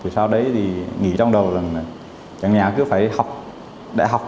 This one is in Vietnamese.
sau đấy thì nghĩ trong đầu là chẳng nhẽ cứ phải học đại học